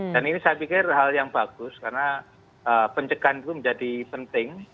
dan ini saya pikir hal yang bagus karena pencegahan itu menjadi penting